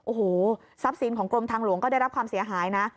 โอ้โหทรัพย์สินของกรมทางหลวงก็ได้รับความเสียหายนะ